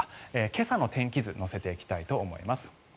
今朝の天気図を乗せていきたいと思います。